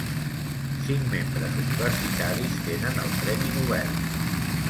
Cinc membres universitaris tenen el Premi Nobel.